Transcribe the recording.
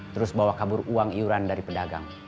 terus bawa kabur uang iuran dari pedagang